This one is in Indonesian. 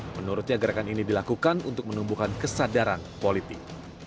menurutnya gerakan ini dilakukan untuk menumbuhkan kesadaran politik